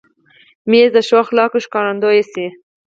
مېز د ښو اخلاقو ښکارندوی شي.